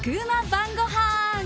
晩ごはん。